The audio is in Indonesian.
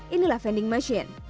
inilah vending machine